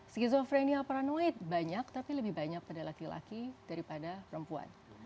skizofrenia paranoid banyak tapi lebih banyak pada laki laki daripada perempuan